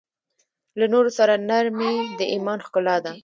له نورو سره نرمي د ایمان ښکلا ده.